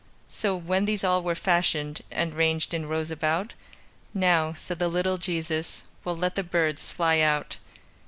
So, when these all were fashioned, And ranged in rows about, "Now," said the little Jesus, "We'll let the birds fly out."